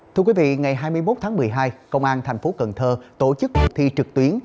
thưa quý vị ngày hai mươi một tháng một mươi hai công an thành phố cần thơ tổ chức cuộc thi trực tuyến